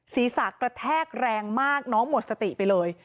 ศีรษะกระแทกแรงมากน้องหมดสติไปเลย